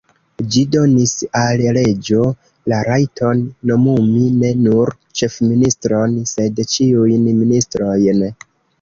Ĝi donis al reĝo la rajton nomumi ne nur ĉefministron, sed ĉiujn ministrojn.